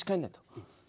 うん。